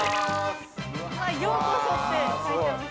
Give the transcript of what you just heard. ◆ようこそって書いてます。